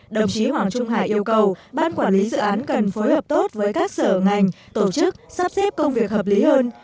đồng chí hoàng trung hải yêu cầu ban quản lý dự án cần phối hợp tốt với các sở ngành tổ chức sắp xếp công việc hợp lý hơn